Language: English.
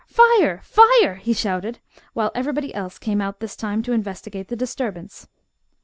fire! fire!" he shouted, while everybody else came out this time to investigate the disturbance.